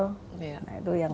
nah itu yang